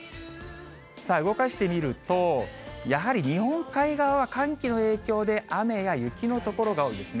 さあ、動かしてみると、やはり、日本海側は寒気の影響で、雨や雪の所が多いですね。